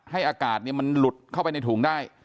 อากาศมันหลุดเข้าไปในถุงได้